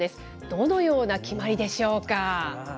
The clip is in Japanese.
どのような決まりでしょうか。